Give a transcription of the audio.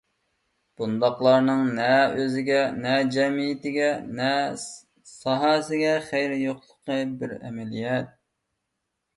بۇنداقلارنىڭ نە ئۆزىگە، نە جەمئىيىتىگە، نە ساھەسىگە خەيرى يوقلۇقى بىر ئەمەلىيەت.